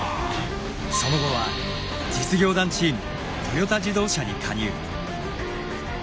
その後は実業団チームトヨタ自動車に加入。